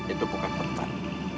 itu bukan pertanyaan